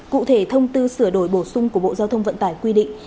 cụ thể thông tư sửa đổi bổ sung của bộ giao thông vận tải quy định